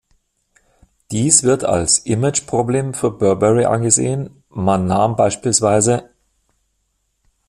Dies wird als Image-Problem für Burberry angesehen, man nahm bspw.